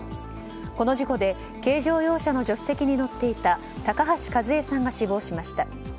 この事故で軽乗用車の助手席に乗っていた、高橋和枝さんが死亡しました。